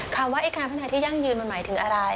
คำว่าไอ้การพัฒนายั่งยืนมันหมายถึงอะไร